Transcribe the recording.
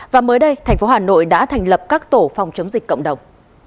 và mới đây thành phố hà nội đã thành lập các tổ phòng chống dịch cộng đồng